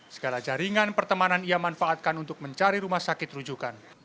segala jaringan pertemanan ia manfaatkan untuk mencari rumah sakit rujukan